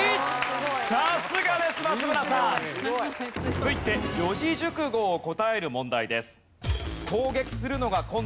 続いて四字熟語を答える問題です。